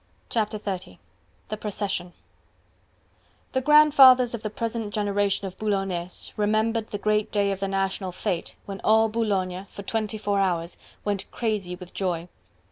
Chapter XXX: The Procession The grandfathers of the present generation of Boulonnese remembered the great day of the National Fete, when all Boulogne, for twenty four hours, went crazy with joy.